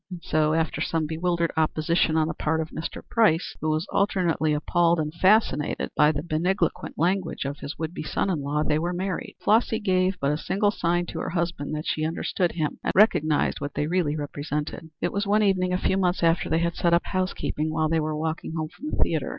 And so after some bewildered opposition on the part of Mr. Price, who was alternately appalled and fascinated by the magniloquent language of his would be son in law, they were married. Flossy gave but a single sign to her husband that she understood him and recognized what they really represented. It was one evening a few months after they had set up housekeeping while they were walking home from the theatre.